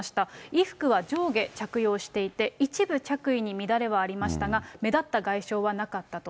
衣服は上下着用していて、一部着衣に乱れはありましたが、目立った外傷はなかったと。